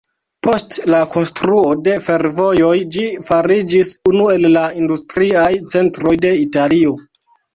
Post la konstruo de fervojoj ĝi fariĝis unu el la industriaj centroj de Italio.